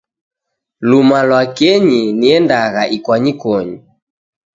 Luma lwa kenyi, niendagha ikwanyikonyi.